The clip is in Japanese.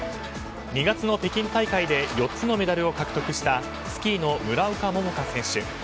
２月の北京大会で４つのメダルを獲得したスキーの村岡桃佳選手。